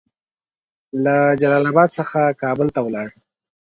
له جلال اباد څخه کابل ته ولاړ.